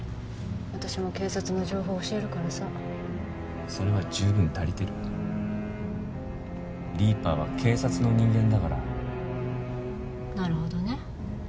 私も警察の情報教えるからさそれは十分足りてるリーパーは警察の人間だからなるほどね